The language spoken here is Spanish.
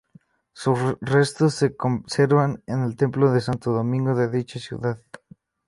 Sus restos se conservan en el templo de Santo Domingo de dicha ciudad.